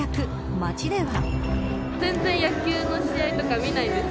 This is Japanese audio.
街では。